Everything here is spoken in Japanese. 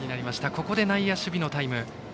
ここで内野、守備のタイム。